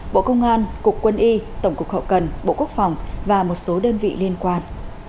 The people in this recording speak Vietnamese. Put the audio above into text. bộ công an cục quân y tổng cục hậu cần bộ quốc phòng và một số đơn vị liên quan